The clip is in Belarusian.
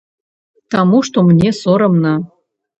Таму што мне сорамна.